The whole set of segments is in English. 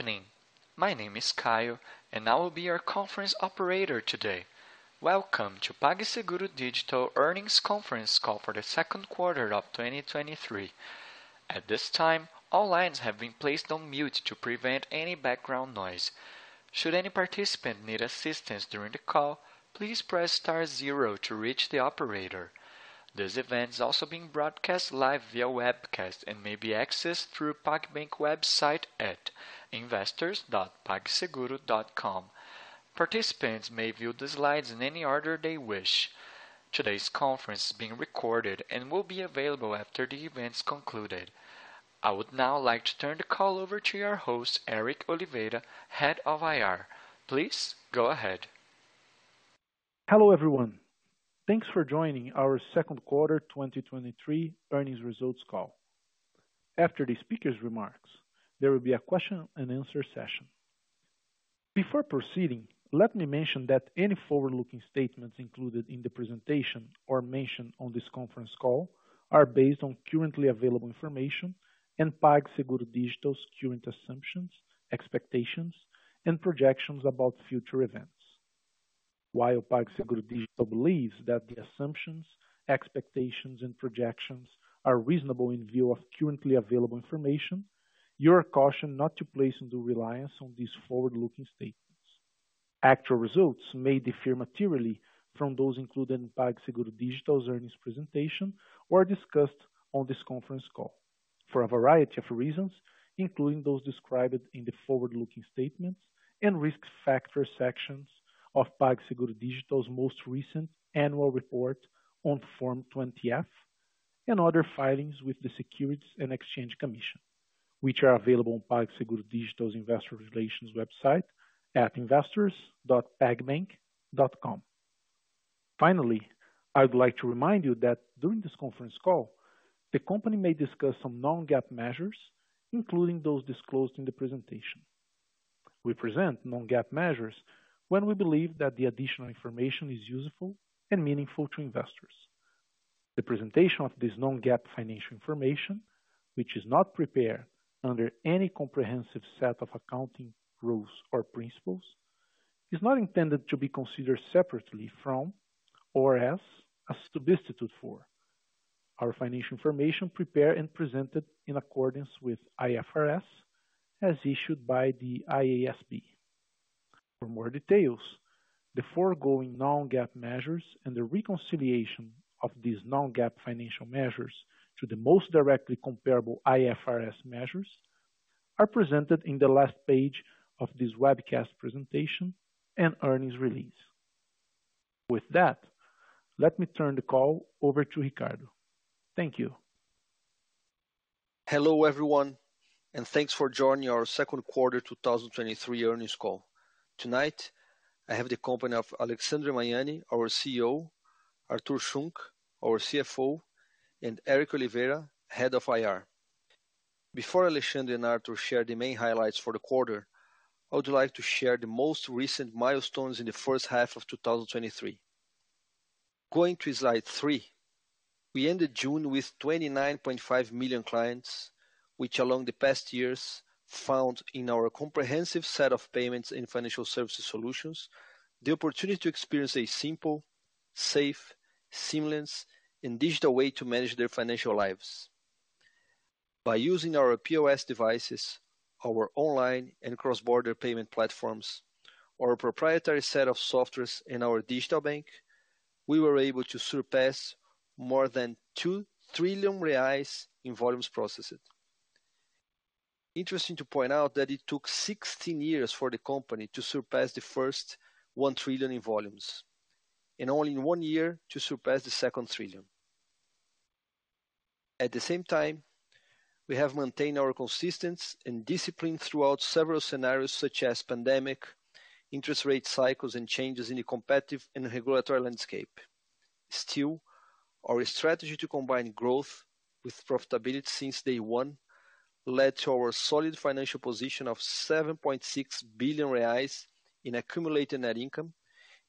Evening. My name is Kyle, and I will be your conference operator today. Welcome to PagSeguro Digital Earnings Conference Call for the Q2 of 2023. At this time, all lines have been placed on mute to prevent any background noise. Should any participant need assistance during the call, please press star zero to reach the operator. This event is also being broadcast live via webcast and may be accessed through PagBank website at investors.pagseguro.com. Participants may view the slides in any order they wish. Today's conference is being recorded and will be available after the event is concluded. I would now like to turn the call over to our host, Éric Oliveira, Head of IR. Please go ahead. Hello, everyone. Thanks for joining our Q2 2023 earnings results call. After the speaker's remarks, there will be a question and answer session. Before proceeding, let me mention that any forward-looking statements included in the presentation or mentioned on this conference call are based on currently available information and PagSeguro Digital's current assumptions, expectations, and projections about future events. While PagSeguro Digital believes that the assumptions, expectations, and projections are reasonable in view of currently available information, you are cautioned not to place undue reliance on these forward-looking statements. Actual results may differ materially from those included in PagSeguro Digital's earnings presentation or discussed on this conference call for a variety of reasons, including those described in the forward-looking statements and risk factor sections of PagSeguro Digital's most recent annual report on Form 20-F and other filings with the Securities and Exchange Commission, which are available on PagSeguro Digital's Investor Relations website at investors.pagbank.com. Finally, I'd like to remind you that during this conference call, the company may discuss some non-GAAP measures, including those disclosed in the presentation. We present non-GAAP measures when we believe that the additional information is useful and meaningful to investors. The presentation of this non-GAAP financial information, which is not prepared under any comprehensive set of accounting rules or principles, is not intended to be considered separately from or as a substitute for our financial information prepared and presented in accordance with IFRS, as issued by the IASB. For more details, the foregoing non-GAAP measures and the reconciliation of these non-GAAP financial measures to the most directly comparable IFRS measures are presented in the last page of this webcast presentation and earnings release. With that, let me turn the call over to Ricardo. Thank you. Hello, everyone, and thanks for joining our Q2 2023 earnings call. Tonight, I have the company of Alexandre Magnani, our CEO, Artur Schunck, our CFO, and Éric Oliveira, Head of IR. Before Alexandre and Artur share the main highlights for the quarter, I would like to share the most recent milestones in the first half of 2023. Going to slide 3, we ended June with 29.5 million clients, which along the past year found in our comprehensive set of payments and financial services solutions, the opportunity to experience a simple, safe, seamless, and digital way to manage their financial lives. By using our POS devices, our online and cross-border payment platforms, our proprietary set of software and our digital bank, we were able to surpass more than 2 trillion reais in volumes processed. Interesting to point out that it took 16 years for the company to surpass the first 1 trillion in volumes, and only in one year to surpass the second trillion. At the same time, we have maintained our consistency and discipline throughout several scenarios, such as pandemic, interest rate cycles, and changes in the competitive and regulatory landscape. Still, our strategy to combine growth with profitability since day one led to our solid financial position of 7.6 billion reais in accumulated net income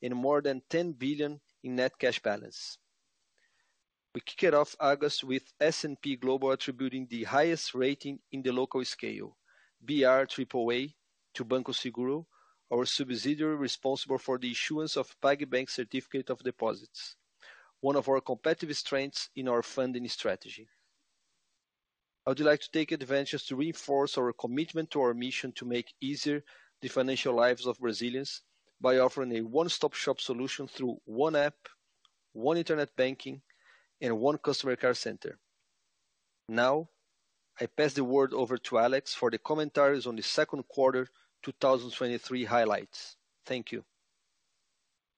and more than 10 billion in net cash balance. We kicked off August with S&P Global attributing the highest rating in the local scale, brAAA, to Banco PagSeguro, our subsidiary responsible for the issuance of PagBank certificates of deposit, one of our competitive strengths in our funding strategy. I would like to take advantage to reinforce our commitment to our mission to make easier the financial lives of Brazilians by offering a one-stop-shop solution through one app, one internet banking, and one customer care center. Now, I pass the word over to Alex for the commentaries on the Q2 2023 highlights. Thank you.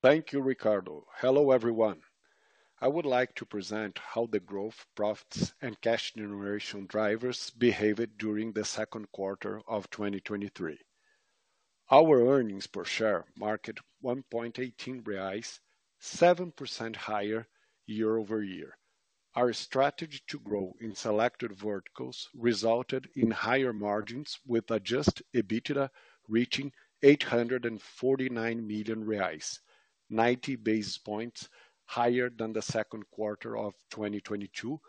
Thank you, Ricardo. Hello, everyone. I would like to present how the growth, profits, and cash generation drivers behaved during the Q2 of 2023. Our earnings per share marked 1.18 reais, 7% higher year-over-year. Our strategy to grow in selected verticals resulted in higher margins, with adjusted EBITDA reaching 849 million reais, 90 basis points higher than the Q2 of 2022,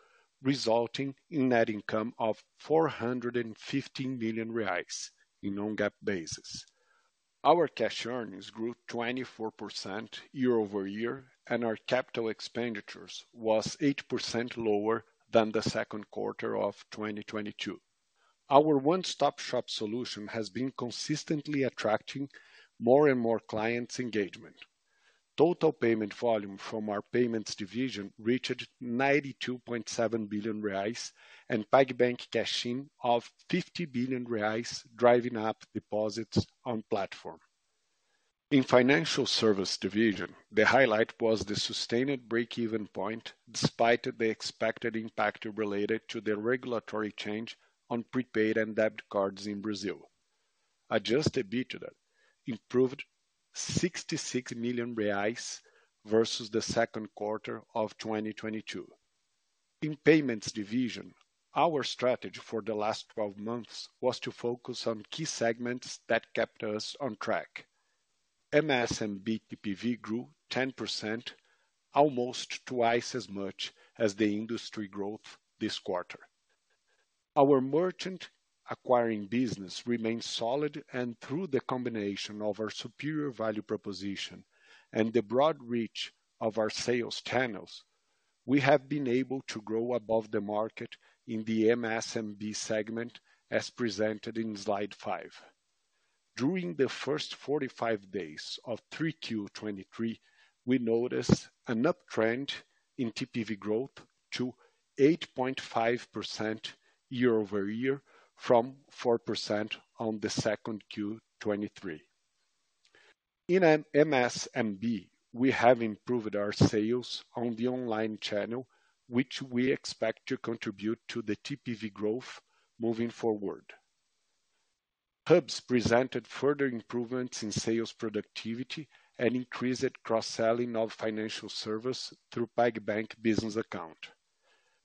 resulting in net income of 415 million reais in non-GAAP basis. Our cash earnings grew 24% year-over-year, and our capital expenditures was 8% lower than the Q2 of 2022. Our one-stop shop solution has been consistently attracting more and more clients' engagement. Total payment volume from our payments division reached 92.7 billion reais, and PagBank cash-in of 50 billion reais, driving up deposits on platform. In financial service division, the highlight was the sustained break-even point, despite the expected impact related to the regulatory change on prepaid and debit cards in Brazil. Adjusted EBITDA improved 66 million reais versus the Q2 of 2022. In payments division, our strategy for the last 12 months was to focus on key segments that kept us on track. MSMB TPV grew 10%, almost twice as much as the industry growth this quarter. Our merchant acquiring business remains solid, and through the combination of our superior value proposition and the broad reach of our sales channels, we have been able to grow above the market in the MSMB segment, as presented in slide 5. During the first 45 days of 3Q 2023, we noticed an uptrend in TPV growth to 8.5% year-over-year, from 4% on the 2Q 2023. In an MSMB, we have improved our sales on the online channel, which we expect to contribute to the TPV growth moving forward. Hubs presented further improvements in sales productivity and increased cross-selling of financial service through PagBank business account.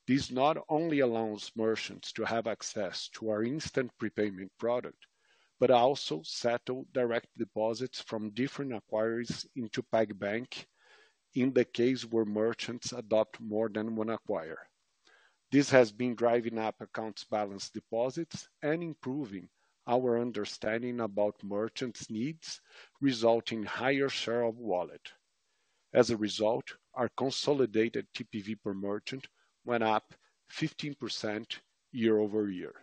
This not only allows merchants to have access to our instant prepayment product, but also settle direct deposits from different acquirers into PagBank in the case where merchants adopt more than one acquirer. This has been driving up accounts balance deposits and improving our understanding about merchants' needs, resulting in higher share of wallet. As a result, our consolidated TPV per merchant went up 15% year-over-year.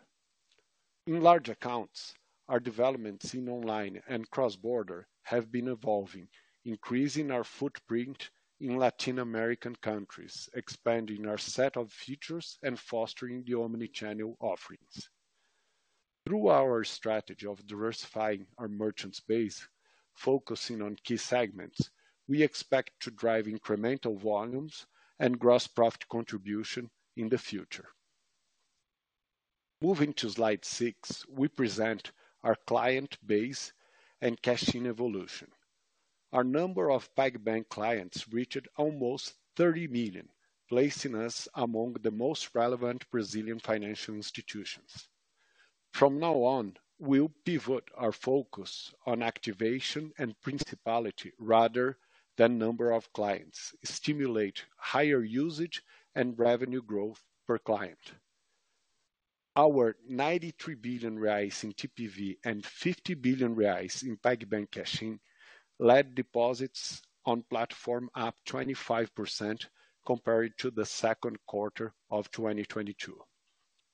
In large accounts, our developments in online and cross-border have been evolving, increasing our footprint in Latin American countries, expanding our set of features and fostering the omni-channel offerings. Through our strategy of diversifying our merchants base, focusing on key segments, we expect to drive incremental volumes and gross profit contribution in the future. Moving to slide 6, we present our client base and cash-in evolution. Our number of PagBank clients reached almost 30 million, placing us among the most relevant Brazilian financial institutions. From now on, we'll pivot our focus on activation and profitability rather than number of clients, stimulate higher usage and revenue growth per client. Our 93 billion reais in TPV and 50 billion reais in PagBank cash-in led deposits on platform up 25% compared to the Q2 of 2022.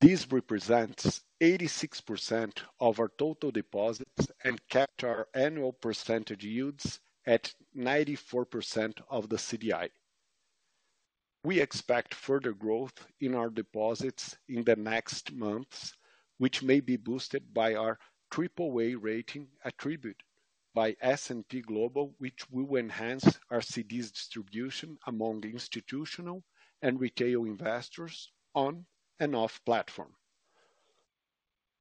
This represents 86% of our total deposits and kept our annual percentage yields at 94% of the CDI. We expect further growth in our deposits in the next months, which may be boosted by our AAA rating attributed by S&P Global, which will enhance our CDs distribution among institutional and retail investors, on and off platform.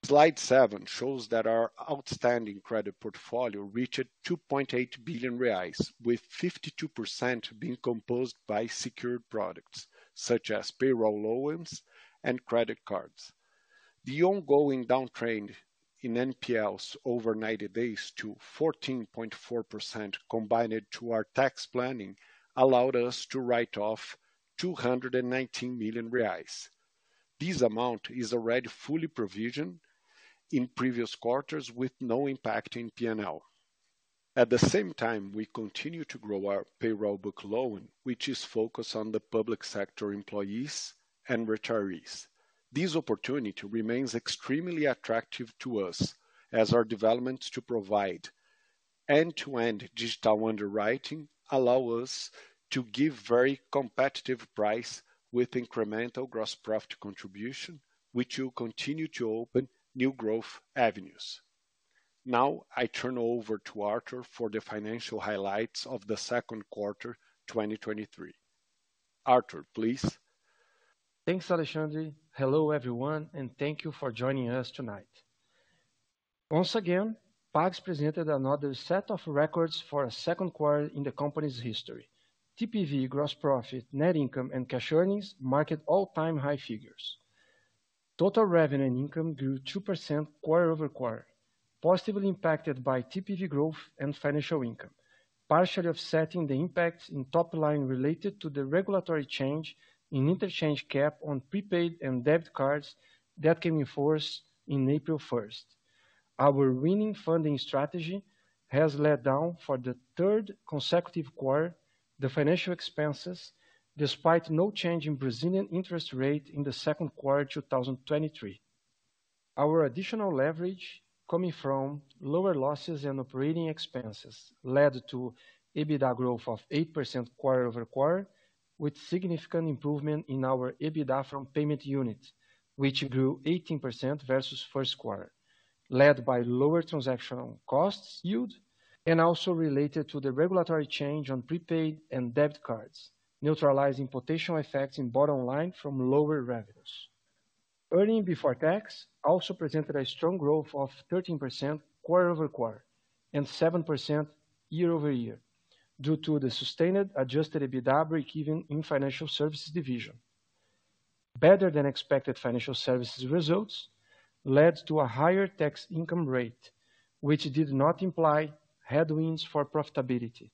Slide 7 shows that our outstanding credit portfolio reached 2.8 billion reais, with 52% being composed by secured products, such as payroll loans and credit cards. The ongoing downtrend in NPLs over 90 days to 14.4%, combined to our tax planning, allowed us to write off 219 million reais. This amount is already fully provisioned in previous quarters, with no impact in PNL. At the same time, we continue to grow our payroll book loan, which is focused on the public sector employees and retirees. This opportunity remains extremely attractive to us as our developments to provide end-to-end digital underwriting allow us to give very competitive price with incremental gross profit contribution, which will continue to open new growth avenues. Now, I turn over to Artur for the financial highlights of the Q2, 2023. Artur, please. Thanks, Alexandre. Hello, everyone, and thank you for joining us tonight. Once again, PagSeguro presented another set of records for a Q2 in the company's history. TPV, gross profit, net income and cash earnings marked all-time high figures. Total revenue and income grew 2% quarter-over-quarter, positively impacted by TPV growth and financial income.... partially offsetting the impact in top line related to the regulatory change in interchange cap on prepaid and debit cards that came in force in April 1st. Our winning funding strategy has led down for the third consecutive quarter, the financial expenses, despite no change in Brazilian interest rate in the Q2, 2023. Our additional leverage coming from lower losses and operating expenses led to EBITDA growth of 8% quarter-over-quarter, with significant improvement in our EBITDA from payment units, which grew 18% versus Q1, led by lower transactional costs yield, and also related to the regulatory change on prepaid and debit cards, neutralizing potential effects in bottom line from lower revenues. Earnings before tax also presented a strong growth of 13% quarter-over-quarter and 7% year-over-year, due to the sustained adjusted EBITDA given in financial services division. Better than expected financial services results led to a higher tax income rate, which did not imply headwinds for profitability.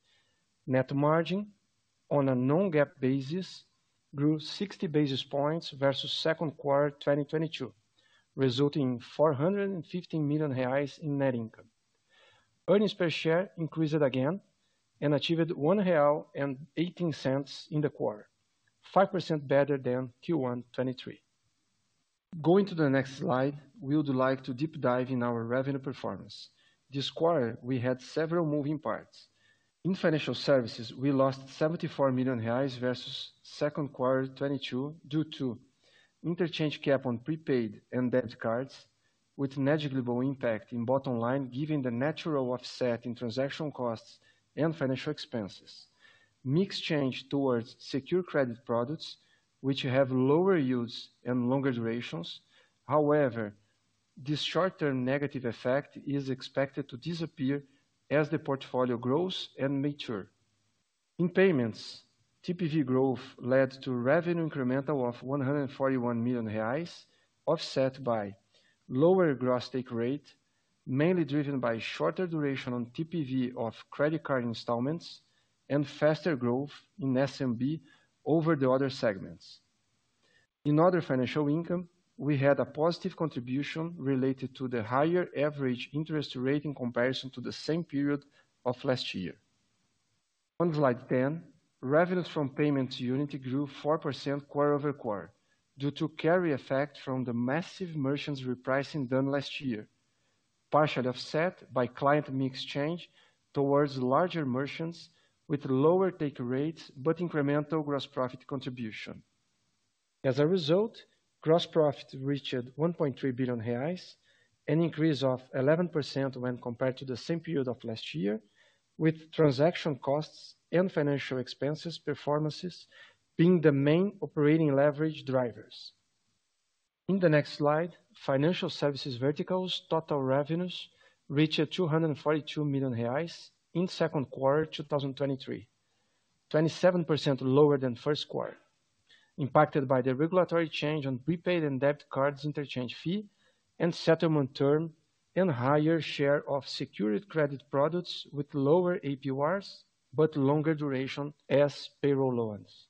Net margin on a non-GAAP basis grew 60 basis points versus Q2 2022, resulting in 415 million reais in net income. Earnings per share increased again and achieved 1.18 real in the quarter, 5% better than Q1 2023. Going to the next slide, we would like to deep dive in our revenue performance. This quarter, we had several moving parts. In financial services, we lost 74 million reais versus Q2 2022, due to interchange cap on prepaid and debit cards with negligible impact in bottom line, given the natural offset in transactional costs and financial expenses. Mix change towards secure credit products, which have lower yields and longer durations. However, this short-term negative effect is expected to disappear as the portfolio grows and mature. In payments, TPV growth led to revenue incremental of 141 million reais, offset by lower gross take rate, mainly driven by shorter duration on TPV of credit card installments and faster growth in SMB over the other segments. In other financial income, we had a positive contribution related to the higher average interest rate in comparison to the same period of last year. On slide 10, revenues from payments unit grew 4% quarter-over-quarter, due to carry effect from the massive merchants repricing done last year, partially offset by client mix change towards larger merchants with lower take rates, but incremental gross profit contribution. As a result, gross profit reached 1.3 billion reais, an increase of 11% when compared to the same period of last year, with transaction costs and financial expenses, performances being the main operating leverage drivers. In the next slide, financial services verticals, total revenues reached 242 million reais in Q2 2023, 27% lower than Q1, impacted by the regulatory change on prepaid and debit cards interchange fee and settlement term, and higher share of secured credit products with lower APRs, but longer duration as payroll loans.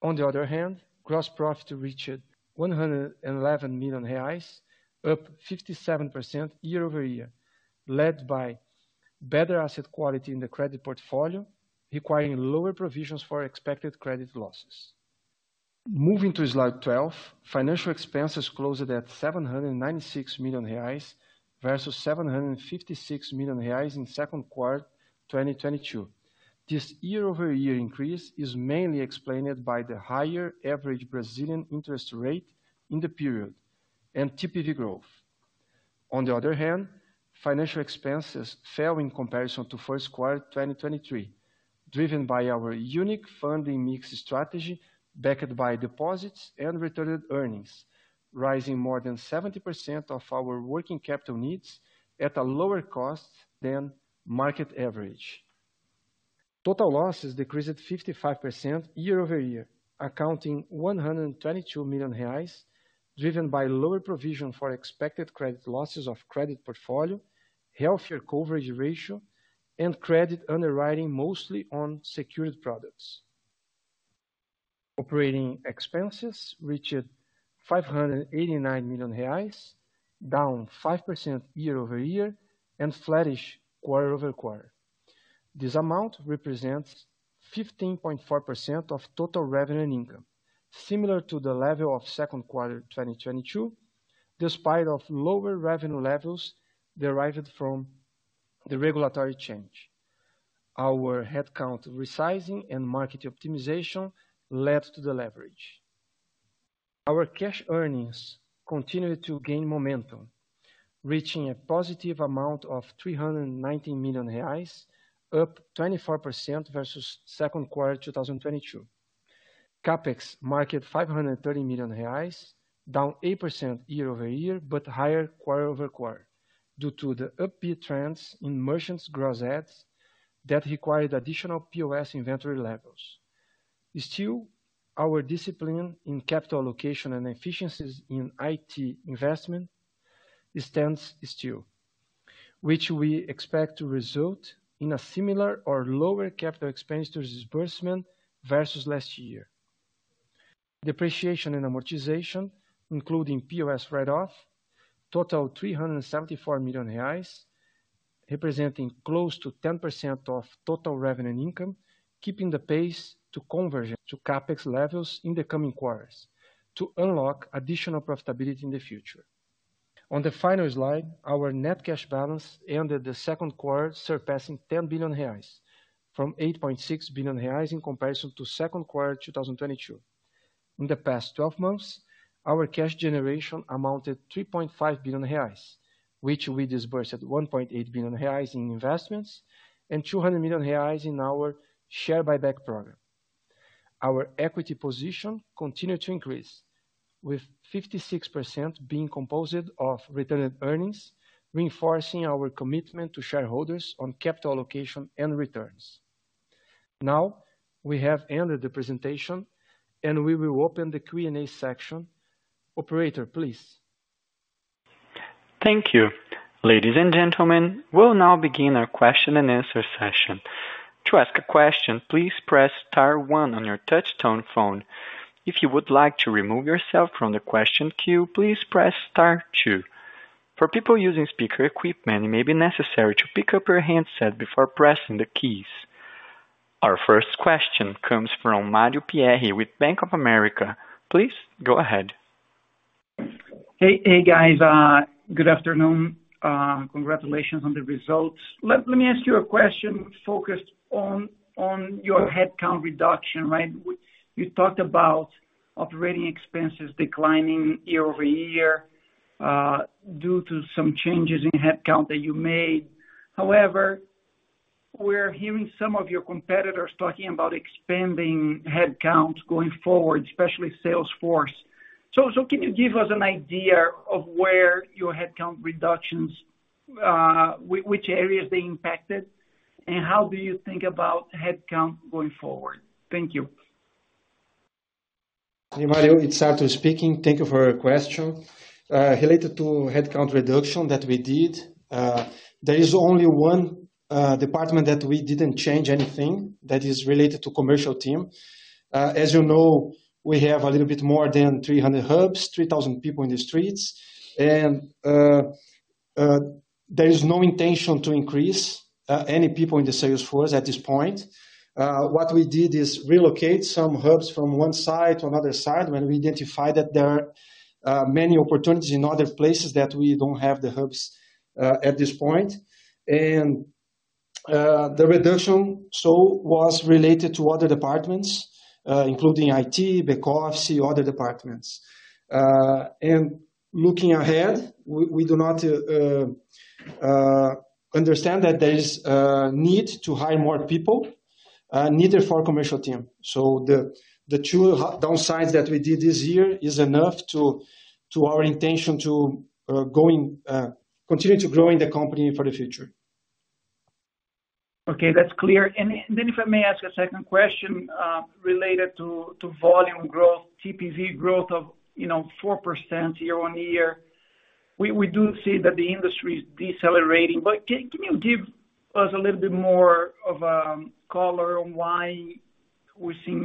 On the other hand, gross profit reached 111 million reais, up 57% year-over-year, led by better asset quality in the credit portfolio, requiring lower provisions for expected credit losses. Moving to slide 12, financial expenses closed at 796 million reais, versus 756 million reais in Q2 2022. This year-over-year increase is mainly explained by the higher average Brazilian interest rate in the period and TPV growth. On the other hand, financial expenses fell in comparison to Q1 2023, driven by our unique funding mix strategy, backed by deposits and returned earnings, rising more than 70% of our working capital needs at a lower cost than market average. Total losses decreased 55% year-over-year, accounting 122 million reais, driven by lower provision for expected credit losses of credit portfolio, healthier coverage ratio, and credit underwriting, mostly on secured products. Operating expenses reached 589 million reais, down 5% year-over-year and flattish quarter-over-quarter. This amount represents 15.4% of total revenue and income, similar to the level of Q2 2022, despite of lower revenue levels derived from the regulatory change. Our headcount, resizing, and market optimization led to the leverage. Our cash earnings continued to gain momentum, reaching a positive amount of 390 million reais, up 24% versus Q2 2022. CapEx marked 530 million reais, down 8% year-over-year, but higher quarter-over-quarter, due to the upbeat trends in merchants' gross adds that required additional POS inventory levels. Still, our discipline in capital allocation and efficiencies in IT investment stands still, which we expect to result in a similar or lower capital expenditures disbursement versus last year. Depreciation and amortization, including POS write-off, total 374 million reais, representing close to 10% of total revenue income, keeping the pace to converge to CapEx levels in the coming quarters to unlock additional profitability in the future. On the final slide, our net cash balance ended the Q2, surpassing 10 billion reais, from 8.6 billion reais in comparison to Q2 2022. In the past twelve months, our cash generation amounted 3.5 billion reais, which we disbursed at 1.8 billion reais in investments and 200 million reais in our share buyback program. Our equity position continued to increase, with 56% being composed of retained earnings, reinforcing our commitment to shareholders on capital allocation and returns. Now, we have ended the presentation, and we will open the Q&A section. Operator, please. Thank you. Ladies and gentlemen, we'll now begin our question and answer session. To ask a question, please press star one on your touch tone phone. If you would like to remove yourself from the question queue, please press star two. For people using speaker equipment, it may be necessary to pick up your handset before pressing the keys. Our first question comes from Mario Pierry with Bank of America. Please go ahead. Hey, hey, guys, good afternoon. Congratulations on the results. Let me ask you a question focused on your headcount reduction, right? You talked about operating expenses declining year-over-year due to some changes in headcount that you made. However, we're hearing some of your competitors talking about expanding headcounts going forward, especially sales force. So, can you give us an idea of where your headcount reductions, which areas they impacted, and how do you think about headcount going forward? Thank you. Hi, Mario, it's Artur speaking. Thank you for your question. Related to headcount reduction that we did, there is only one department that we didn't change anything that is related to commercial team. As you know, we have a little bit more than 300 hubs, 3,000 people in the streets, and there is no intention to increase any people in the sales force at this point. What we did is relocate some hubs from one side to another side, when we identified that there are many opportunities in other places that we don't have the hubs at this point. And, the reduction so was related to other departments, including IT, back office, other departments. And looking ahead, we do not understand that there is a need to hire more people, neither for commercial team. So the two downsizes that we did this year is enough to our intention to continue growing the company for the future. Okay, that's clear. And then if I may ask a second question, related to volume growth, TPV growth of, 4% year-on-year. We do see that the industry is decelerating, but can you give us a little bit more of color on why we're seeing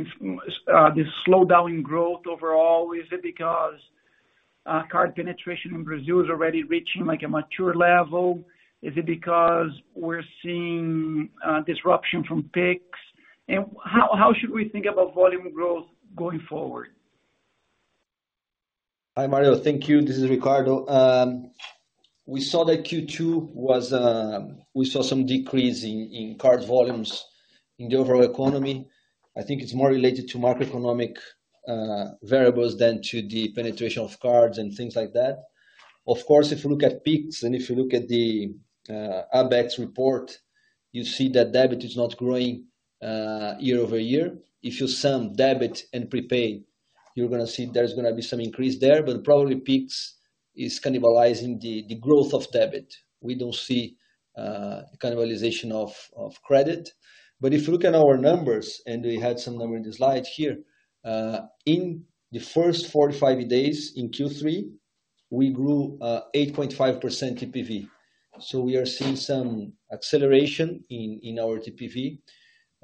this slowdown in growth overall? Is it because card penetration in Brazil is already reaching, like, a mature level? Is it because we're seeing disruption from Pix? And how should we think about volume growth going forward? Hi, Mario. Thank you. This is Ricardo. We saw that Q2 was. We saw some decrease in card volumes in the overall economy. I think it's more related to macroeconomic variables than to the penetration of cards and things like that. Of course, if you look at Pix and if you look at the Abecs report, you see that debit is not growing year-over-year. If you sum debit and prepaid, you're gonna see there's gonna be some increase there, but probably Pix is cannibalizing the growth of debit. We don't see cannibalization of credit. But if you look at our numbers, and we had some of them in the slide here, in the first 45 days in Q3, we grew 8.5% TPV. So we are seeing some acceleration in our TPV.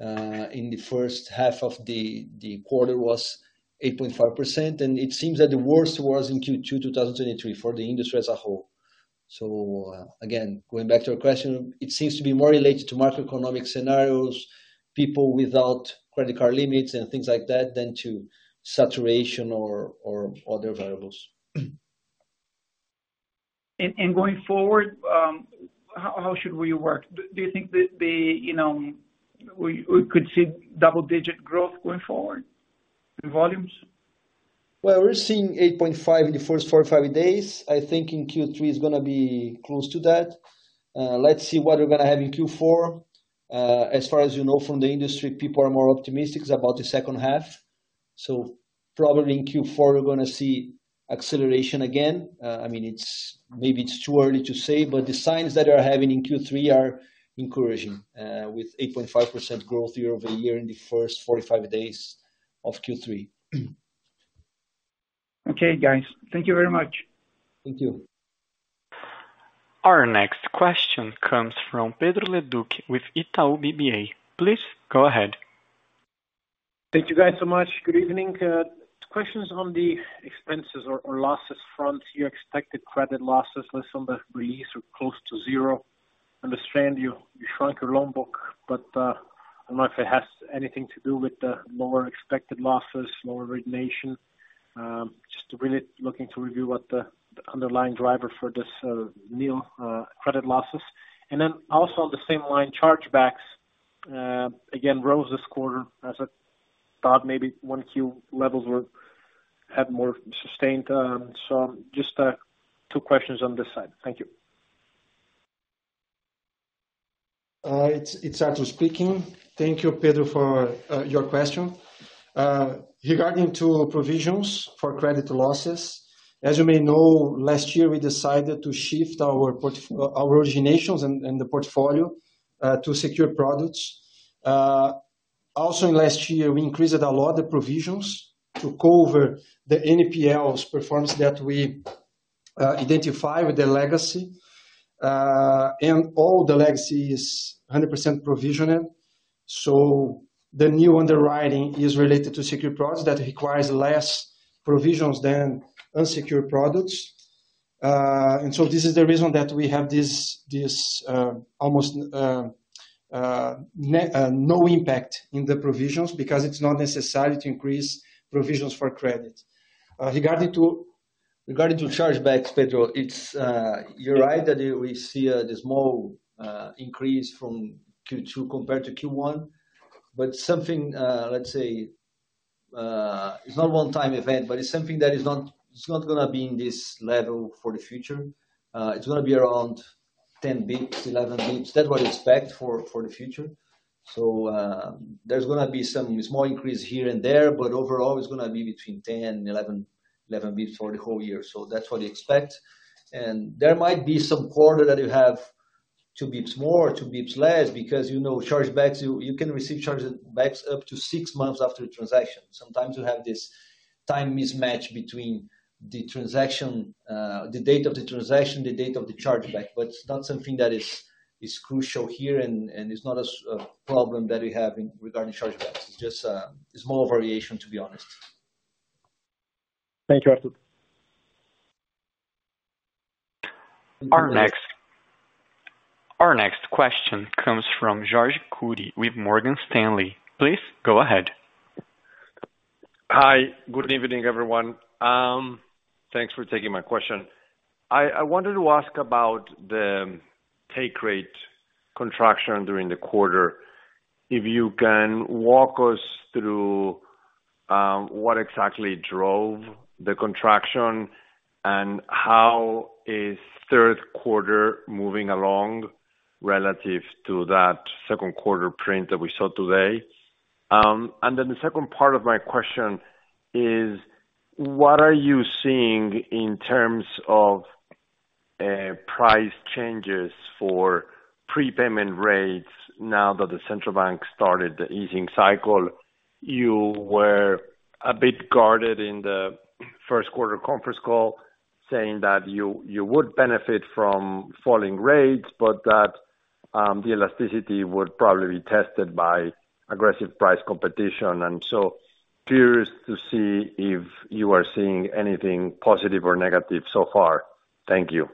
In the first half of the quarter was 8.5%, and it seems that the worst was in Q2 2023 for the industry as a whole. So, again, going back to your question, it seems to be more related to macroeconomic scenarios, people without credit card limits and things like that than to saturation or other variables. Going forward, how should we work? Do you think that, we could see double-digit growth going forward in volumes? Well, we're seeing 8.5 in the first 45 days. I think in Q3 it's gonna be close to that. Let's see what we're gonna have in Q4. As far as from the industry, people are more optimistic about the second half.... So probably in Q4, we're gonna see acceleration again. I mean, it's, maybe it's too early to say, but the signs that are having in Q3 are encouraging, with 8.5% growth year-over-year in the first 45 days of Q3. Okay, guys. Thank you very much. Thank you. Our next question comes from Pedro Leduc with Itaú BBA. Please go ahead. Thank you guys so much. Good evening. Questions on the expenses or losses front, you expected credit losses less on the release or close to zero. I understand you shrunk your loan book, but I don't know if it has anything to do with the lower expected losses, lower origination. Just really looking to review what the underlying driver for this new credit losses. And then also on the same line, chargebacks again rose this quarter as I thought maybe 1Q levels were had more sustained, so just two questions on this side. Thank you. It's Artur speaking. Thank you, Pedro, for your question. Regarding to provisions for credit losses, as you may know, last year we decided to shift our originations and the portfolio to secure products. Also last year, we increased a lot of provisions to cover the NPLs performance that we identify with the legacy. And all the legacy is 100% provisioned. So the new underwriting is related to secure products that requires less provisions than unsecured products. And so this is the reason that we have this almost no impact in the provisions, because it's not necessary to increase provisions for credit. Regarding to chargebacks, Pedro, it's you're right that we see the small increase from Q2 compared to Q1. But something, let's say, it's not a one-time event, but it's something that is not—it's not gonna be in this level for the future. It's gonna be around 10 bps, 11 bps. That's what we expect for the future. So, there's gonna be some small increase here and there, but overall, it's gonna be between 10, 11, 11 bps for the whole year. So that's what we expect. And there might be some quarter that you have 2 bps more, 2 bps less, because, chargebacks, you can receive chargebacks up to six months after the transaction. Sometimes you have this time mismatch between the transaction, the date of the transaction, the date of the chargeback, but it's not something that is crucial here, and it's not a problem that we have in regarding chargebacks. It's just a small variation, to be honest. Thank you, Artur. Our next question comes from Jorge Kuri with Morgan Stanley. Please go ahead. Hi. Good evening, everyone. Thanks for taking my question. I, I wanted to ask about the take rate contraction during the quarter. If you can walk us through what exactly drove the contraction, and how is Q3 moving along relative to that Q2 print that we saw today? And then the second part of my question is: What are you seeing in terms of price changes for prepayment rates now that the central bank started the easing cycle? You were a bit guarded in the Q1conference call, saying that you, you would benefit from falling rates, but that the elasticity would probably be tested by aggressive price competition. And so curious to see if you are seeing anything positive or negative so far. Thank you.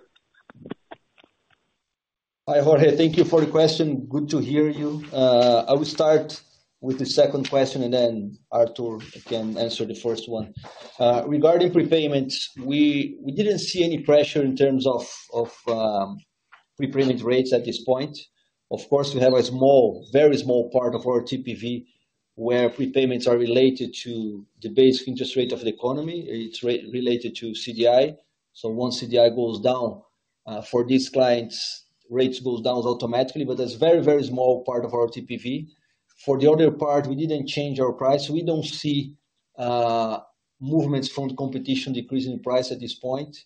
Hi, Jorge. Thank you for the question. Good to hear you. I will start with the second question, and then Artur can answer the first one. Regarding prepayments, we didn't see any pressure in terms of prepayment rates at this point. Of course, we have a small, very small part of our TPV, where prepayments are related to the base interest rate of the economy. It's related to CDI. So once CDI goes down, for these clients, rates goes down automatically, but that's a very, very small part of our TPV. For the other part, we didn't change our price. We don't see movements from the competition decreasing price at this point.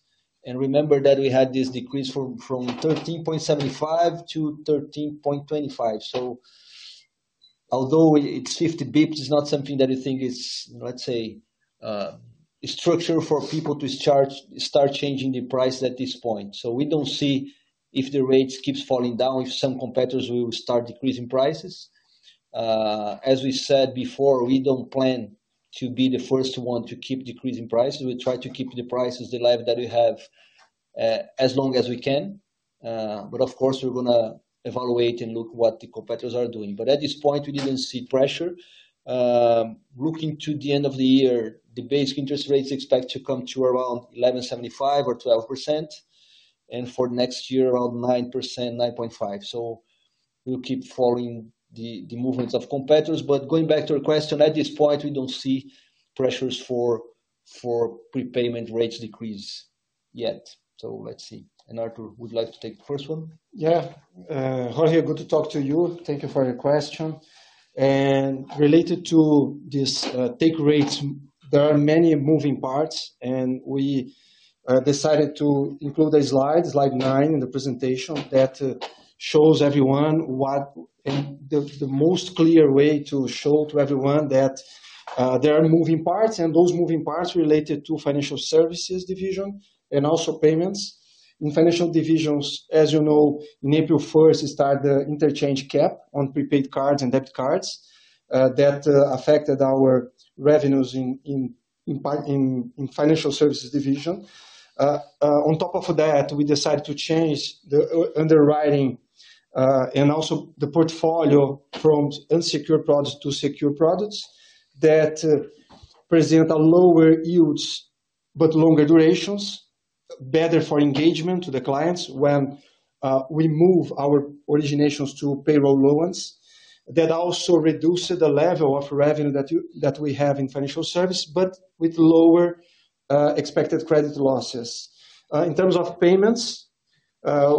And remember that we had this decrease from 13.75 to 13.25. So although it's 50 basis points, it's not something that you think is, let's say, structural for people to start changing the price at this point. So we don't see if the rates keeps falling down, if some competitors will start decreasing prices. As we said before, we don't plan to be the first one to keep decreasing prices. We try to keep the prices, the level that we have, as long as we can. But of course, we're gonna evaluate and look what the competitors are doing. But at this point, we didn't see pressure. Looking to the end of the year, the basic interest rates expect to come to around 11.75%-12%, and for next year, around 9%-9.5%. So we'll keep following the movements of competitors. But going back to your question, at this point, we don't see pressures for prepayment rates decrease yet. So let's see. And Artur would like to take the first one? Yeah. Jorge, good to talk to you. Thank you for your question. Related to this, take rates, there are many moving parts, and we decided to include a slide, slide 9, in the presentation, that shows everyone what—and the most clear way to show to everyone that there are moving parts, and those moving parts related to financial services division and also payments. In financial divisions, as, in April 1, started the interchange cap on prepaid cards and debit cards, that affected our revenues in part in financial services division. On top of that, we decided to change the underwriting, and also the portfolio from unsecured products to secure products that present a lower yields, but longer durations, better for engagement to the clients when we move our originations to payroll loans. That also reduces the level of revenue that you-- that we have in financial service, but with lower expected credit losses. In terms of payments,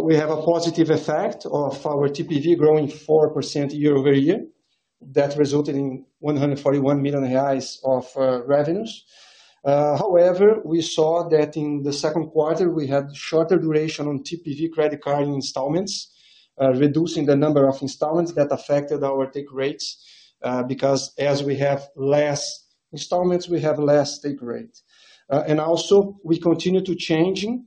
we have a positive effect of our TPV growing 4% year-over-year. That resulted in 141 million reais of revenues. However, we saw that in the Q2, we had shorter duration on TPV credit card installments, reducing the number of installments that affected our take rates, because as we have less installments, we have less take rate. And also we continue to changing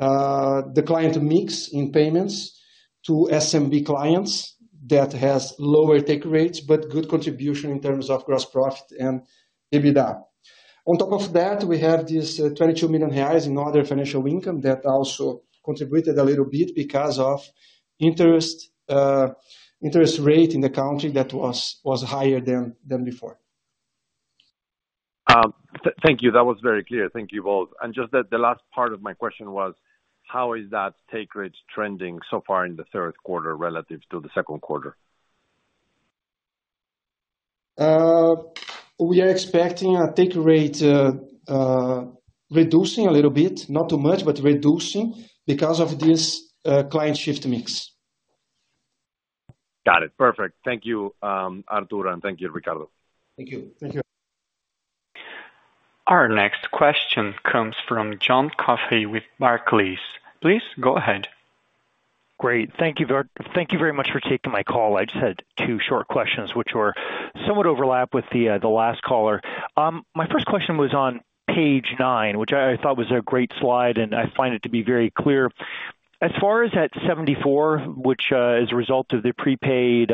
the client mix in payments to SMB clients that has lower take rates, but good contribution in terms of gross profit and EBITDA. On top of that, we have this 22 million reais in other financial income that also contributed a little bit because of interest rate in the country that was higher than before. Thank you. That was very clear. Thank you both. And just that the last part of my question was: How is that take rate trending so far in the Q3 relative to the Q2? We are expecting our take rate reducing a little bit, not too much, but reducing because of this client shift mix. Got it. Perfect. Thank you, Artur, and thank you, Ricardo. Thank you. Thank you. Our next question comes from John Coffey with Barclays. Please go ahead. Great. Thank you very much for taking my call. I just had two short questions which were somewhat overlap with the last caller. My first question was on page 9, which I thought was a great slide, and I find it to be very clear. As far as that 74, which is a result of the prepaid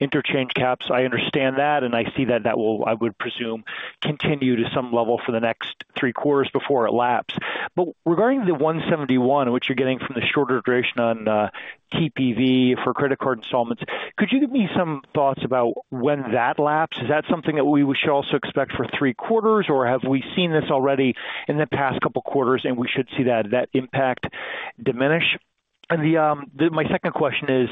interchange caps, I understand that, and I see that that will, I would presume, continue to some level for the next Q3 before it lapse. But regarding the 171, which you're getting from the shorter duration on TPV for credit card installments, could you give me some thoughts about when that lapse? Is that something that we should also expect for Q3, or have we seen this already in the past couple quarters, and we should see that, that impact diminish? And the my second question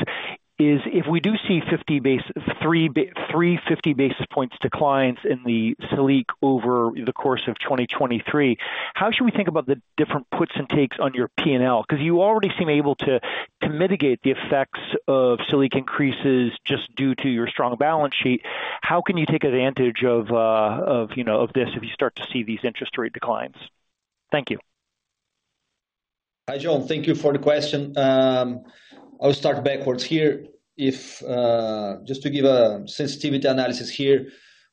is, if we do see 350 basis points declines in the Selic over the course of 2023, how should we think about the different puts and takes on your P&L? Because you already seem able to, to mitigate the effects of Selic increases just due to your strong balance sheet. How can you take advantage of this if you start to see these interest rate declines? Thank you. Hi, John. Thank you for the question. I'll start backwards here. If just to give a sensitivity analysis here,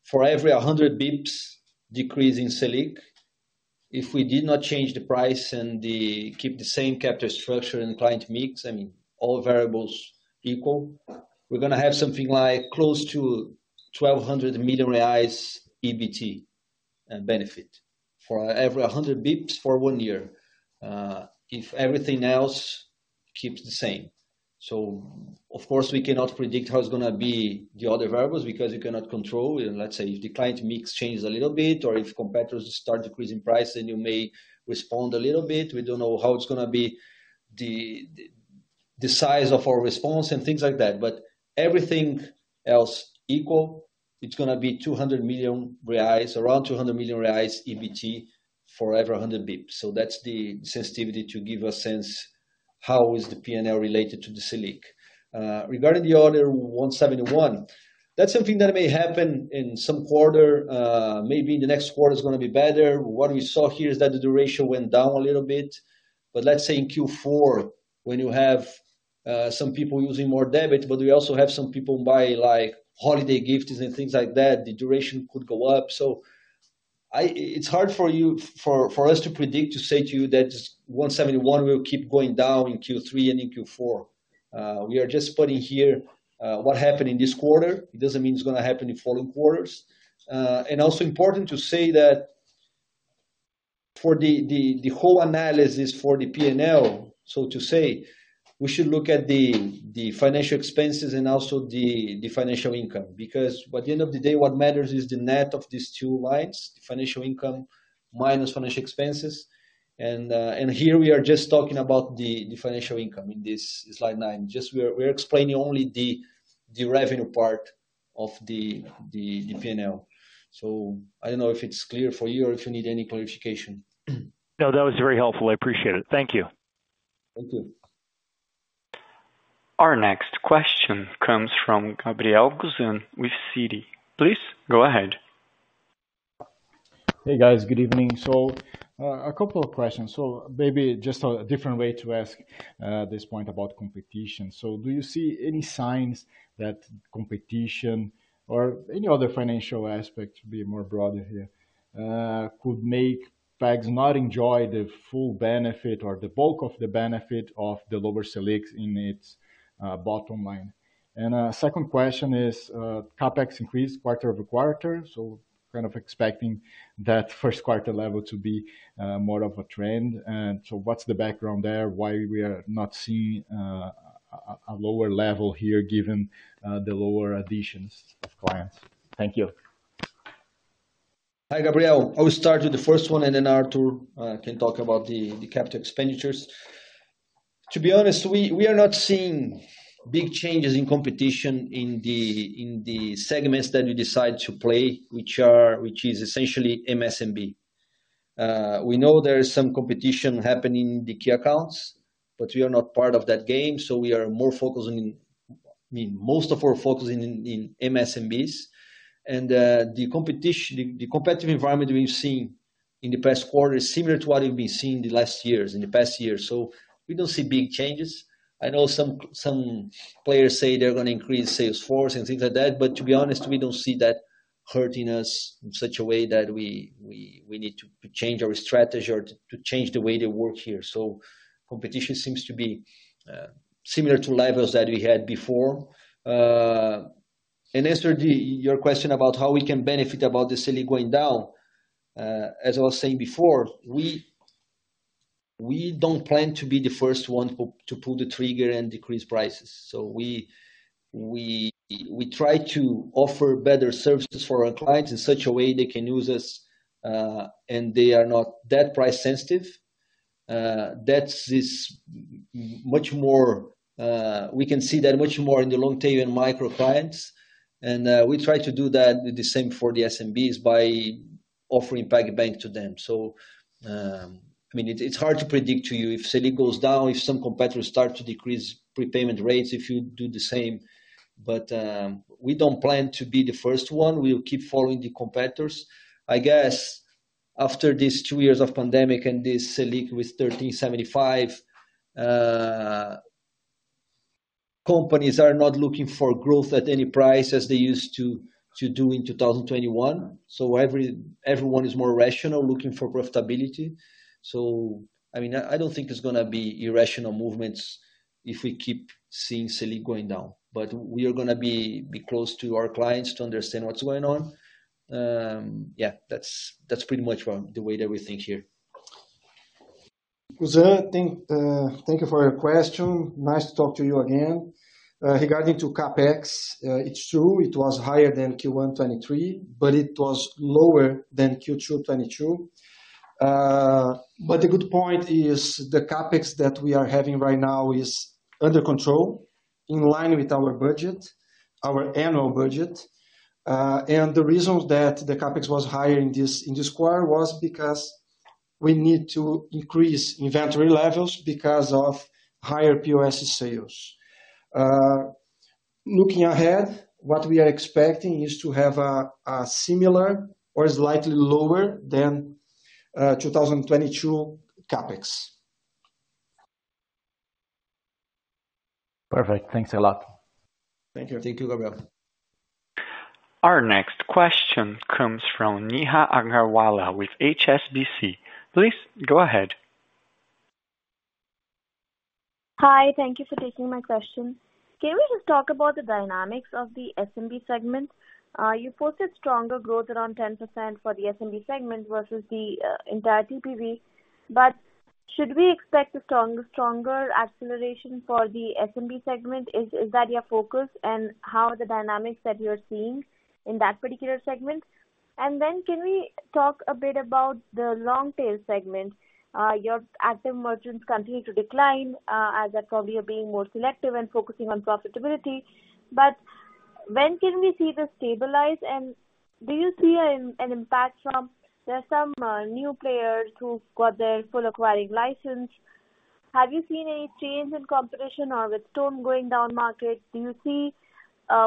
for every 100 basis points decrease in Selic, if we did not change the price and the-- keep the same capital structure and client mix, I mean, all variables equal, we're gonna have something like close to 1,200 million reais EBT and benefit for every 100 basis points for one year, if everything else keeps the same. So of course, we cannot predict how it's gonna be the other variables, because you cannot control. And let's say, if the client mix changes a little bit, or if competitors start decreasing price, then you may respond a little bit. We don't know how it's gonna be the size of our response and things like that, but everything else equal, it's gonna be 200 million reais, around 200 million reais EBT for every 100 basis points. So that's the sensitivity to give a sense, how is the P&L related to the Selic. Regarding the Order 171, that's something that may happen in some quarter, maybe in the next quarter is gonna be better. What we saw here is that the duration went down a little bit, but let's say in Q4, when you have some people using more debit, but we also have some people buy, like, holiday gifts and things like that, the duration could go up. So it's hard for you, for us to predict, to say to you that 171 will keep going down in Q3 and in Q4. We are just putting here what happened in this quarter. It doesn't mean it's gonna happen in following quarters. And also important to say that for the whole analysis for the P&L, so to say, we should look at the financial expenses and also the financial income, because by the end of the day, what matters is the net of these two lines, financial income minus financial expenses. And here we are just talking about the financial income in this slide 9. Just we're explaining only the revenue part of the P&L. So I don't know if it's clear for you or if you need any clarification? No, that was very helpful. I appreciate it. Thank you. Thank you. Our next question comes from Gabriel Gusan with Citi. Please go ahead. Hey, guys. Good evening. So, a couple of questions. So maybe just a different way to ask this point about competition. So do you see any signs that competition or any other financial aspect, to be more broad here, could make banks not enjoy the full benefit or the bulk of the benefit of the lower Selic in its bottom line? And, second question is, CapEx increased quarter-over-quarter, so kind of expecting that Q1 level to be more of a trend. And so what's the background there? Why we are not seeing a lower level here, given the lower additions of clients? Thank you. Hi, Gabriel. I will start with the first one, and then Artur can talk about the capital expenditures. To be honest, we are not seeing big changes in competition in the segments that we decide to play, which is essentially MSMB. We know there is some competition happening in the key accounts, but we are not part of that game, so we are more focusing. I mean, most of our focus in MSMBs. And the competition, the competitive environment we've seen in the past quarter is similar to what we've been seeing in the last years, in the past years, so we don't see big changes. I know some players say they're going to increase sales force and things like that, but to be honest, we don't see that hurting us in such a way that we need to change our strategy or to change the way they work here. So competition seems to be similar to levels that we had before. And as to your question about how we can benefit about the Selic going down, as I was saying before, we don't plan to be the first one to pull the trigger and decrease prices. So we try to offer better services for our clients in such a way they can use us, and they are not that price sensitive. That is much more, we can see that much more in the Long Tail and micro clients. We try to do that the same for the SMBs by offering PagBank to them. So, I mean, it's hard to predict to you if Selic goes down, if some competitors start to decrease prepayment rates, if you do the same. But, we don't plan to be the first one. We'll keep following the competitors. I guess after these two years of pandemic and this Selic with 13.75, companies are not looking for growth at any price as they used to, to do in 2021. So everyone is more rational, looking for profitability. So, I mean, I don't think there's gonna be irrational movements if we keep seeing Selic going down, but we are gonna be close to our clients to understand what's going on. Yeah, that's pretty much the way that we think here. Guazin, thank you for your question. Nice to talk to you again. Regarding to CapEx, it's true, it was higher than Q1 2023, but it was lower than Q2 2022. But the good point is the CapEx that we are having right now is under control, in line with our budget, our annual budget. And the reason that the CapEx was higher in this quarter was because we need to increase inventory levels because of higher POS sales. Looking ahead, what we are expecting is to have a similar or slightly lower than 2022 CapEx. Perfect. Thanks a lot. Thank you. Thank you, Gabriel. Our next question comes from Neha Agarwala with HSBC. Please go ahead. Hi, thank you for taking my question. Can we just talk about the dynamics of the SMB segment? You posted stronger growth around 10% for the SMB segment versus the entire TPV, but should we expect a stronger, stronger acceleration for the SMB segment? Is that your focus, and how are the dynamics that you're seeing in that particular segment? And then can we talk a bit about the long tail segment? Your active merchants continue to decline, as that probably you're being more selective and focusing on profitability. But when can we see this stabilize, and do you see an impact from... There are some new players who got their full acquiring license. Have you seen any change in competition or with Stone going down market, do you see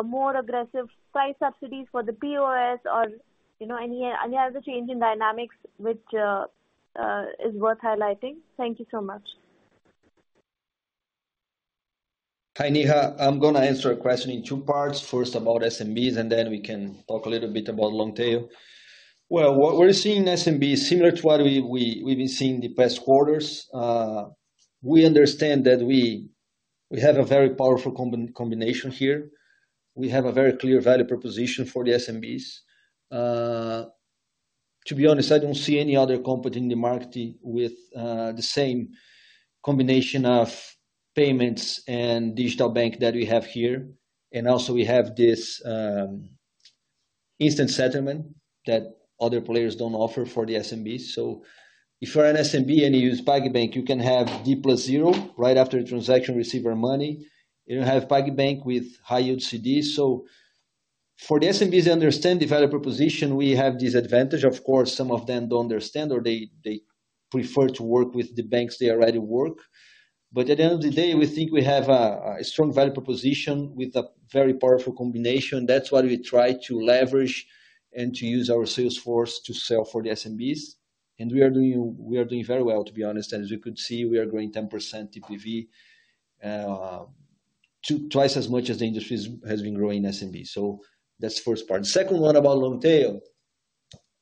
more aggressive price subsidies for the POS or, any other change in dynamics which is worth highlighting? Thank you so much. Hi, Neha. I'm gonna answer your question in two parts. First about SMBs, and then we can talk a little bit about long tail. Well, what we're seeing in SMB is similar to what we've been seeing in the past quarters. We understand that we have a very powerful combination here. We have a very clear value proposition for the SMBs. To be honest, I don't see any other company in the market with the same combination of payments and digital bank that we have here. And also we have this instant settlement that other players don't offer for the SMBs. So if you're an SMB and you use PagBank, you can have D plus zero, right after the transaction, receive your money, and you have PagBank with high UCD. So for the SMBs, they understand the value proposition, we have this advantage. Of course, some of them don't understand, or they, they prefer to work with the banks they already work. But at the end of the day, we think we have a strong value proposition with a very powerful combination. That's what we try to leverage and to use our sales force to sell for the SMBs, and we are doing very well, to be honest, as you could see, we are growing 10% TPV, twice as much as the industry has been growing SMB. So that's the first part. The second one about Long Tail.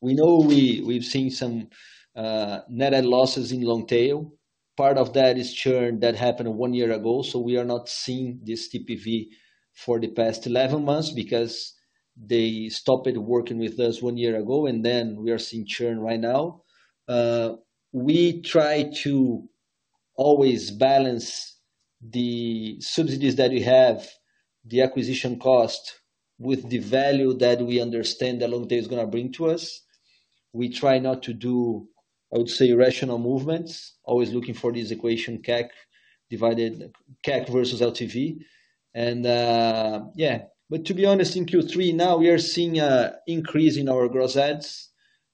We know we've seen some net add losses in Long Tail. Part of that is churn that happened one year ago, so we are not seeing this TPV for the past 11 months because they stopped working with us one year ago, and then we are seeing churn right now. We try to always balance the subsidies that we have, the acquisition cost, with the value that we understand that Long Tail is gonna bring to us. We try not to do, I would say, rational movements, always looking for this equation, CAC, CAC versus LTV. And, yeah. But to be honest, in Q3 now, we are seeing increase in our gross adds.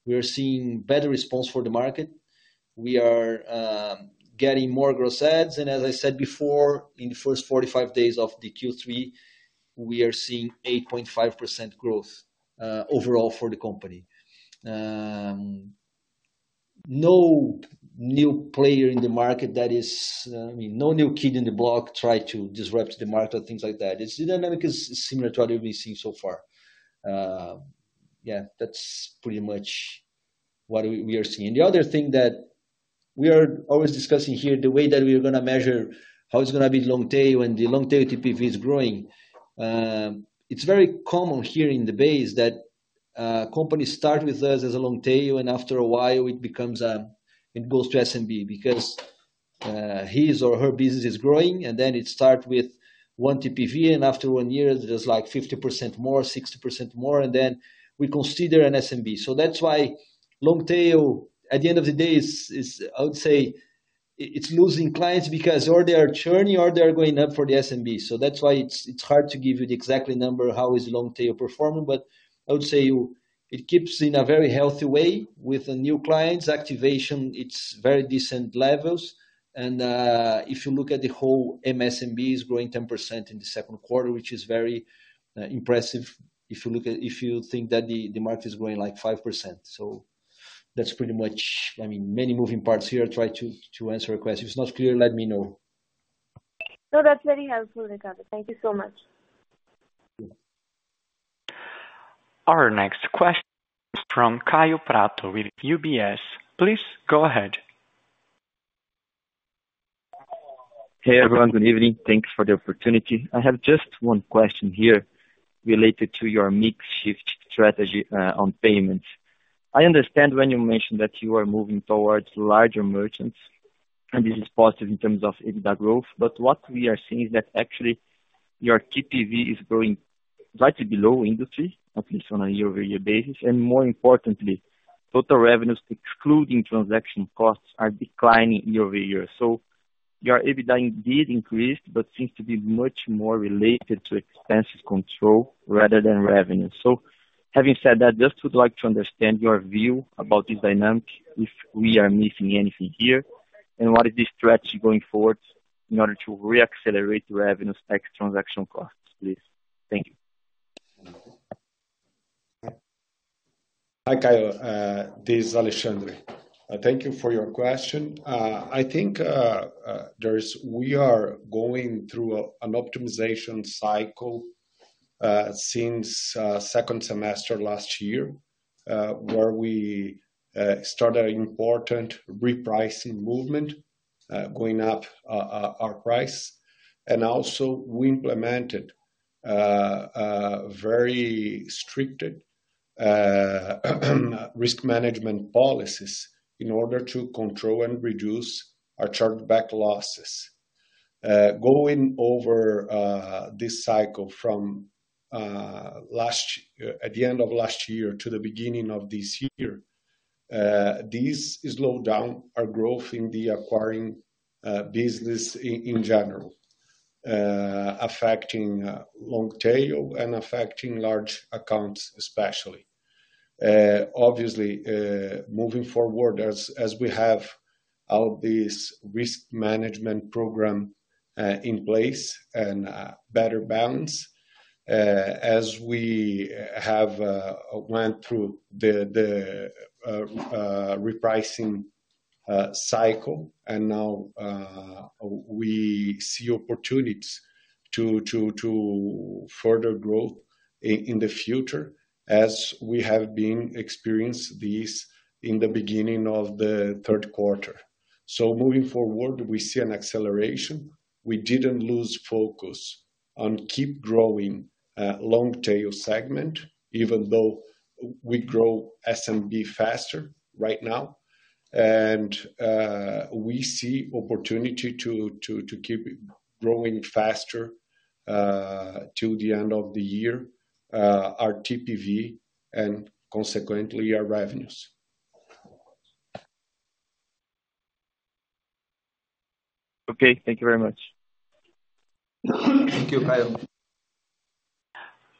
We are seeing better response for the market. We are getting more gross adds, and as I said before, in the first 45 days of the Q3, we are seeing 8.5% growth, overall for the company. No new player in the market that is, I mean, no new kid in the block try to disrupt the market and things like that. It's dynamic is similar to what we've been seeing so far. Yeah, that's pretty much what we, we are seeing. The other thing that we are always discussing here, the way that we are gonna measure how it's gonna be Long Tail when the Long Tail TPV is growing. It's very common here in the base that, companies start with us as a Long Tail, and after a while, it becomes a, it goes to SMB because, his or her business is growing, and then it start with one TPV, and after one year, there's like 50% more, 60% more, and then we consider an SMB. So that's why Long Tail, at the end of the day, is, I would say, it's losing clients because or they are churning, or they are going up for the SMB. So that's why it's hard to give you the exact number, how is Long Tail performing, but I would say it keeps in a very healthy way with the new clients. Activation, it's very decent levels, and if you look at the whole MSMB is growing 10% in the Q2, which is very impressive, if you look at—if you think that the market is growing, like, 5%. So that's pretty much... I mean, many moving parts here, try to answer your question. If it's not clear, let me know. No, that's very helpful, Ricardo. Thank you so much. Thank you Our next question is from Caio Prato with UBS. Please go ahead. Hey, everyone. Good evening. Thanks for the opportunity. I have just one question here related to your mix shift strategy on payments. I understand when you mentioned that you are moving towards larger merchants, and this is positive in terms of EBITDA growth, but what we are seeing is that actually your TPV is growing slightly below industry, at least on a year-over-year basis, and more importantly, total revenues, excluding transaction costs, are declining year-over-year. So your EBITDA indeed increased, but seems to be much more related to expenses control rather than revenue. So having said that, just would like to understand your view about this dynamic, if we are missing anything here, and what is the strategy going forward in order to re-accelerate your revenues net transaction costs, please? Thank you. Hi, Caio, this is Alexandre. Thank you for your question. I think there is—we are going through a, an optimization cycle, since second semester last year, where we started an important repricing movement, going up our price. And also we implemented a very strict risk management policies in order to control and reduce our chargeback losses. Going over this cycle from last—at the end of last year to the beginning of this year, this slowed down our growth in the acquiring business in general, affecting Long Tail and affecting large accounts, especially. Obviously, moving forward, as we have all this risk management program in place and better balance, as we have went through the repricing cycle, and now we see opportunities to further grow in the future, as we have been experienced this in the beginning of theQ3. So moving forward, we see an acceleration. We didn't lose focus on keep growing Long Tail segment, even though we grow SMB faster right now, and we see opportunity to keep growing faster till the end of the year, our TPV and consequently our revenues. Okay, thank you very much. Thank you, Kyle.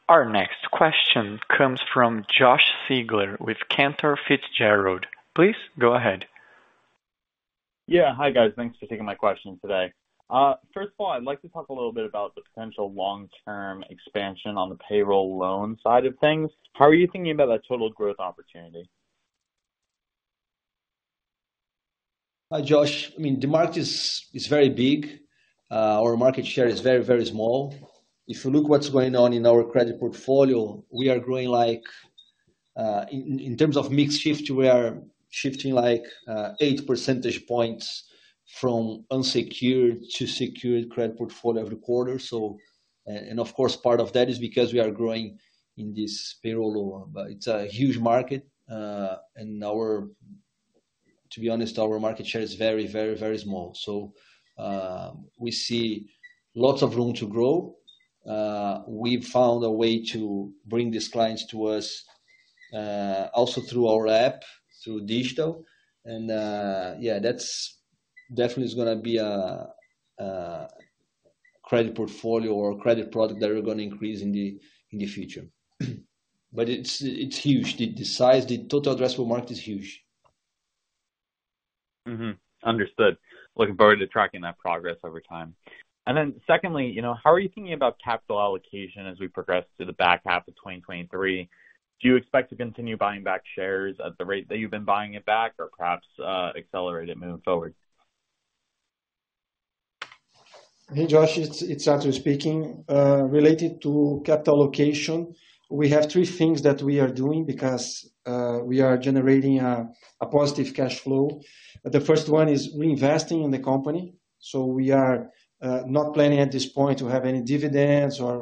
Our next question comes from Josh Siegler with Cantor Fitzgerald. Please go ahead. Yeah. Hi, guys. Thanks for taking my question today. First of all, I'd like to talk a little bit about the potential long-term expansion on the payroll loan side of things. How are you thinking about that total growth opportunity? Hi, Josh. I mean, the market is very big. Our market share is very, very small. If you look what's going on in our credit portfolio, we are growing like in terms of mix shift, we are shifting like 8 percentage points from unsecured to secured credit portfolio every quarter. So, and of course, part of that is because we are growing in this payroll loan, but it's a huge market, and to be honest, our market share is very, very, very small. So, we see lots of room to grow. We've found a way to bring these clients to us, also through our app, through digital. And yeah, that's definitely is gonna be a credit portfolio or credit product that we're gonna increase in the future. But it's huge. The size, the total addressable market is huge. Mm-hmm. Understood. Looking forward to tracking that progress over time. And then secondly, how are you thinking about capital allocation as we progress through the back half of 2023? Do you expect to continue buying back shares at the rate that you've been buying it back, or perhaps, accelerate it moving forward? Hey, Josh, it's Artur speaking. Related to capital allocation, we have three things that we are doing because we are generating a positive cash flow. The first one is reinvesting in the company, so we are not planning at this point to have any dividends or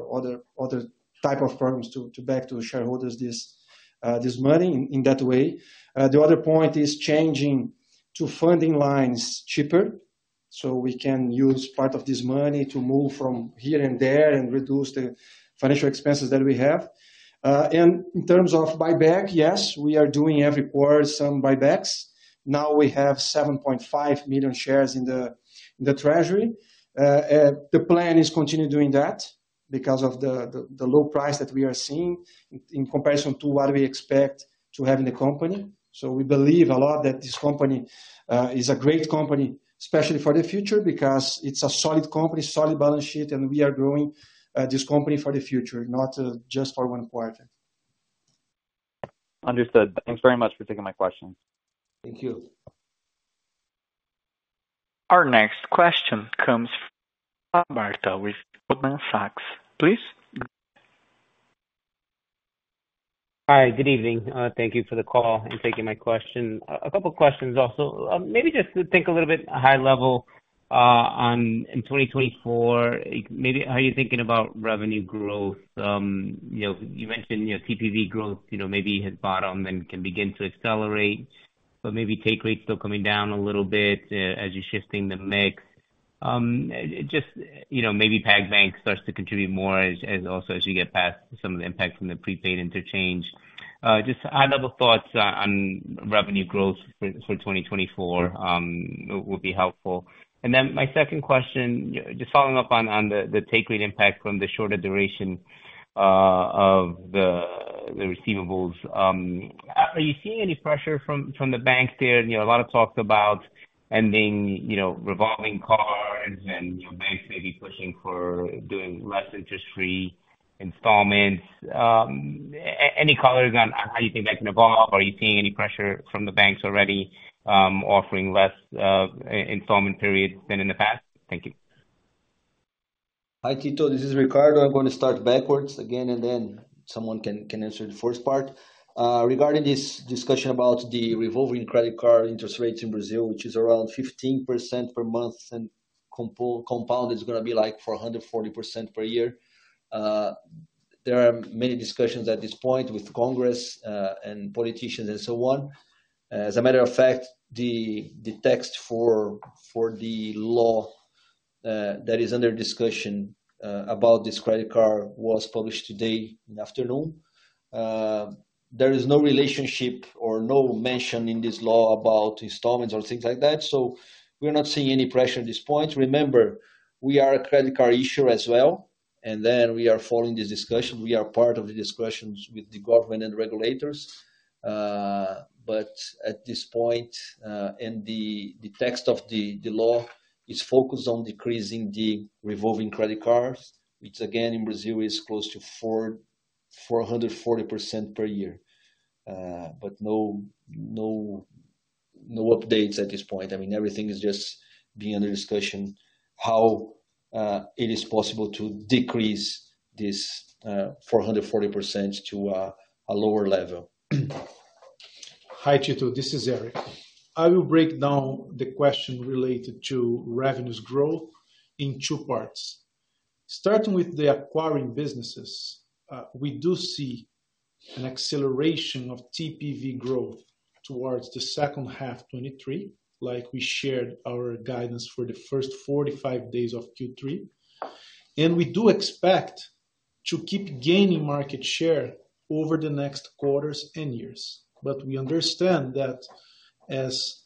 other type of programs to back to shareholders this money in that way. The other point is changing to funding lines cheaper, so we can use part of this money to move from here and there and reduce the financial expenses that we have. And in terms of buyback, yes, we are doing every quarter some buybacks. Now we have 7.5 million shares in the treasury. The plan is continue doing that because of the low price that we are seeing in comparison to what we expect to have in the company. So we believe a lot that this company is a great company, especially for the future, because it's a solid company, solid balance sheet, and we are growing this company for the future, not just for Q1. Understood. Thanks very much for taking my question. Thank you. Our next question comes from Tito Labarta with Goldman Sachs. Please? Hi, good evening. Thank you for the call and taking my question. A couple questions also. Maybe just to think a little bit high level, on in 2024, maybe how are you thinking about revenue growth? You mentioned, TPV growth, maybe has bottomed and can begin to accelerate, but maybe take rates still coming down a little bit, as you're shifting the mix. Just, maybe PagBank starts to contribute more as, as also as you get past some of the impact from the prepaid interchange. Just high-level thoughts on, on revenue growth for, for 2024, would be helpful. And then my second question, just following up on, on the, the take rate impact from the shorter duration, of the, the receivables. Are you seeing any pressure from the banks there? You know, a lot of talks about ending, revolving cards and, banks may be pushing for doing less interest-free installments. Any colors on how you think that can evolve? Are you seeing any pressure from the banks already offering less installment periods than in the past? Thank you. Hi, Tito, this is Ricardo. I'm gonna start backwards again, and then someone can answer the first part. Regarding this discussion about the revolving credit card interest rates in Brazil, which is around 15% per month, and compound is gonna be like 440% per year. There are many discussions at this point with Congress, and politicians and so on. As a matter of fact, the text for the law that is under discussion about this credit card was published today in the afternoon. There is no relationship or no mention in this law about installments or things like that, so we're not seeing any pressure at this point. Remember, we are a credit card issuer as well, and then we are following the discussion. We are part of the discussions with the government and regulators. But at this point, and the, the text of the, the law is focused on decreasing the revolving credit cards, which again, in Brazil, is close to 440% per year. But no, no, no updates at this point. I mean, everything is just being under discussion, how it is possible to decrease this 440% to a lower level. Hi, Tito, this is Eric. I will break down the question related to revenues growth in two parts. Starting with the acquiring businesses, we do see an acceleration of TPV growth towards the second half of 2023, like we shared our guidance for the first 45 days of Q3. And we do expect to keep gaining market share over the next quarters and years. But we understand that as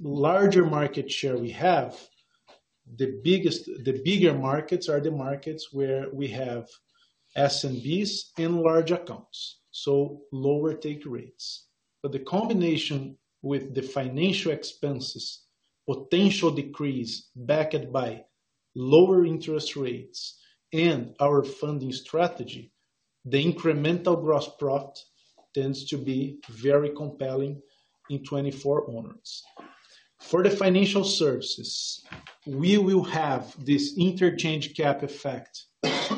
larger market share we have, the bigger markets are the markets where we have SMBs and large accounts, so lower take rates. But the combination with the financial expenses, potential decrease backed by lower interest rates and our funding strategy, the incremental gross profit tends to be very compelling in 2024 onwards. For the financial services, we will have this interchange cap effect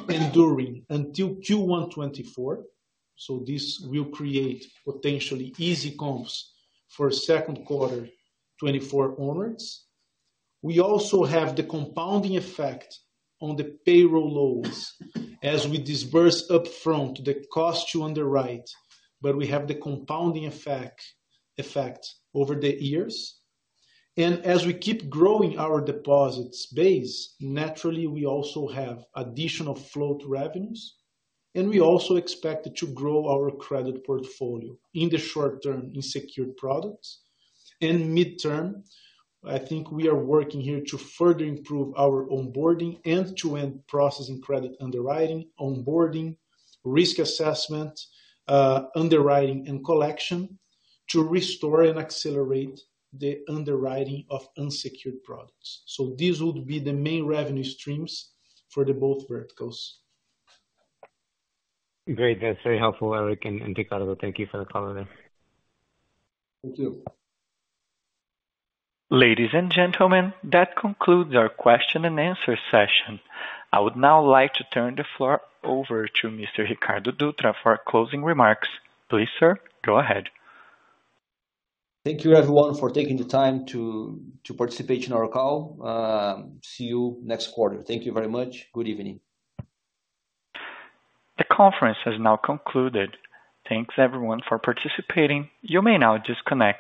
enduring until Q1 2024, so this will create potentially easy comps for Q2 2024 onwards. We also have the compounding effect on the payroll loans as we disburse upfront the cost to underwrite, but we have the compounding effect, effect over the years. And as we keep growing our deposits base, naturally, we also have additional float revenues, and we also expect to grow our credit portfolio in the short term in secured products. And midterm, I think we are working here to further improve our onboarding end-to-end processing credit underwriting, onboarding, risk assessment, underwriting and collection, to restore and accelerate the underwriting of unsecured products. So this would be the main revenue streams for the both verticals. Great. That's very helpful, Éric and Ricardo. Thank you for the call then. Thank you. Ladies and gentlemen, that concludes our question and answer session. I would now like to turn the floor over to Mr. Ricardo Dutra for closing remarks. Please, sir, go ahead. Thank you, everyone, for taking the time to participate in our call. See you next quarter. Thank you very much. Good evening. The conference has now concluded. Thanks, everyone, for participating. You may now disconnect.